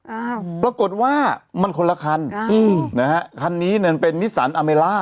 อ้าวปรากฏว่ามันคนละคันอืมนะฮะคันนี้เนี่ยมันเป็นนิสสันอเมล่า